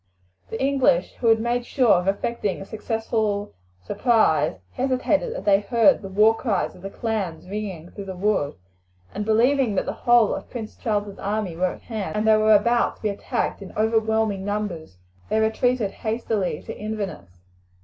The English, who had made sure of effecting a successful surprise, hesitated as they heard the war cries of the clans ringing through the woods, and believing that the whole of Prince Charles's army were at hand and they were about to be attacked in overwhelming numbers, they retreated hastily to Inverness.